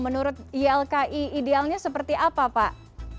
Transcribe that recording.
menurut ylki idealnya seperti apa pak